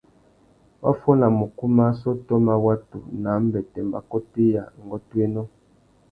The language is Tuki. Wa fôna mukú má assôtô má watu nà ambêtê, mbakôtéya, ngôtōénô.